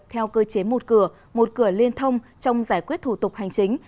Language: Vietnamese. theo cơ chế một cửa một cửa liên thông trong giải quyết thủ tục hành chính